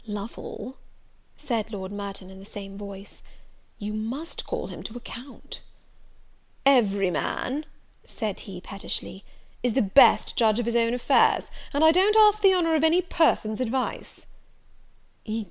"Lovel," said Lord Merton, in the same voice, "you must call him to account." "Every man," said he, pettishly, "is the best judge of his own affairs; and I don't ask the honour of any person's advice."